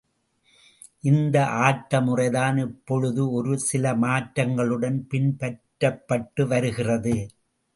இந்த ஆட்ட முறைதான் இப்பொழுது ஒரு சிலமாற்றங்களுடன் பின்பற்றப்பட்டு வருகிறது.